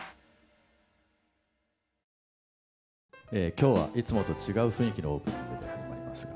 今日はいつもと違う雰囲気のオープニングで始まりますが。